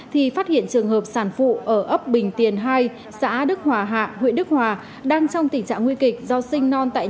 thì phát hiện trường hợp sản phụ ở ấp bình tiền hai xã đức hòa hạ huyện đức hòa đang trong tình trạng nguy kịch do sinh non tại nhà